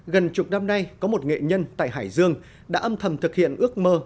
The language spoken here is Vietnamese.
gần chục năm nay có một nghệ nhân tại hải dương đã âm thầm thực hiện ước mơ